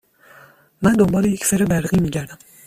من دنبال یک فر برقی می گردم.